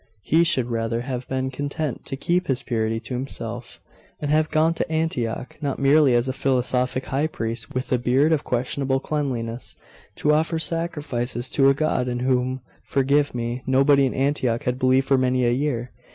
He should rather have been content to keep his purity to himself, and have gone to Antioch not merely as a philosophic high priest, with a beard of questionable cleanliness, to offer sacrifices to a god in whom forgive me nobody in Antioch had believed for many a year.